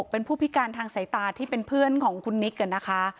เป็นผู้พิการทางสายตาที่เป็นเพื่อนของคุณนิกนะคะ